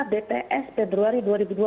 bps februari dua ribu dua puluh